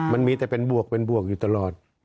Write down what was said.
มันมีแต่เป็นบวกอยู่ตลอด